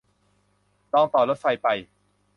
ลองต่อรถไฟไป